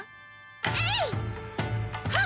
えい！